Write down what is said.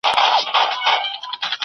ته صاحب د کم هنر یې ته محصل که متعلم یې